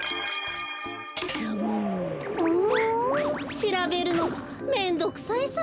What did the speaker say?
しらべるのめんどくさいサボ。